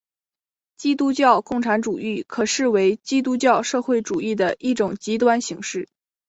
基督教共产主义可视为基督教社会主义的一种极端形式。